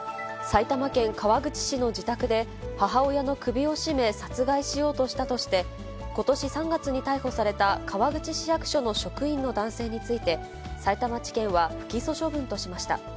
埼玉県川口市の自宅で、母親の首を絞め、殺害しようとしたとして、ことし３月に逮捕された川口市役所の職員の男性について、さいたま地検は不起訴処分としました。